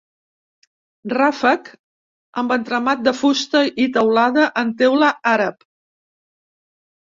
Ràfec amb entramat de fusta i teulada en teula àrab.